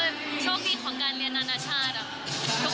ไม่ได้ไปในบ้านในไม่ได้สะดวกขนาดนั้น